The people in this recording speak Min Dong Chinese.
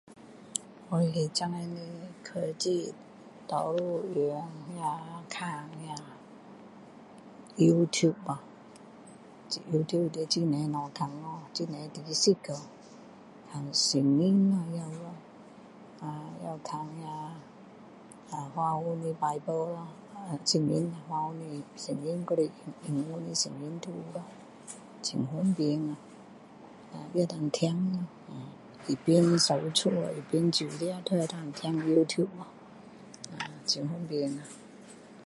我们今日的科技大多数用，那，看那 Youtube 咯。Youtube 里面有很多东西看啊！很多知识咯！看圣经咯也有咯 也有看那华文的 bible 咯。圣经华文的圣经或是英文的圣经都有咯！很方便啊，也能听 uhm 一边扫屋，一边煮吃都可以听 Youtube 咯。很方便。